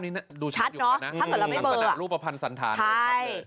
ในรูปภัณฑ์สรรทาน